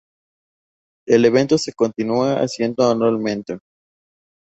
El evento se continúa haciendo anualmente.